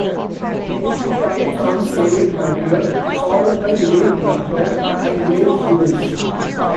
Next in size comes Lake Maggiore, followed by Lake Lucerne and Lake Zurich.